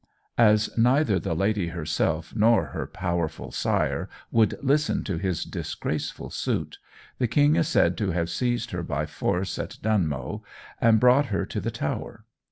As neither the lady herself nor her powerful sire would listen to his disgraceful suit, the King is said to have seized her by force at Dunmow and brought her to the Tower.